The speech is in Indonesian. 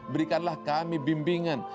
berikanlah kami bimbingan